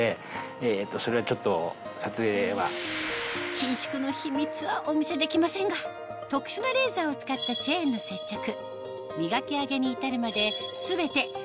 伸縮の秘密はお見せできませんが特殊なレーザーを使ったチェーンの接着磨き上げに至るまで全て職人の手作業で